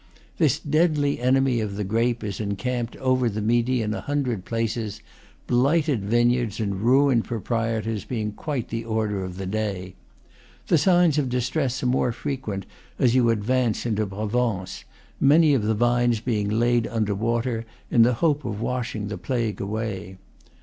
This deadly enemy of the grape is encamped over the Midi in a hundred places; blighted vineyards and ruined proprietors being quite the order of the day. The signs of distress are more frequent as you advance into Provence, many of the vines being laid under water, in the hope of washing the plague away.